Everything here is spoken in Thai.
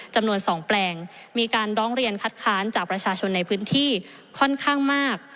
จำนวน๒แปลงมีการร้องเรียนคัดค้านจากประชาชนในพื้นที่ค่อนข้างมาก